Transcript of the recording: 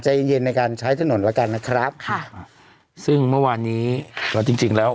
ใจเย็นเย็นในการใช้ถนนแล้วกันนะครับค่ะซึ่งเมื่อวานนี้เราจริงจริงแล้ว